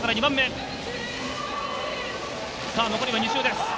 残り２周です。